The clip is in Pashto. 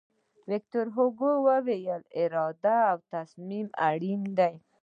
ویکتور هوګو وایي اراده او تصمیم اړین دي.